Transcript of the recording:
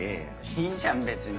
いいじゃん別に。